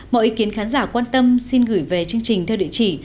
mọi ý kiến khán giả quan tâm xin gửi về chương trình theo địa chỉ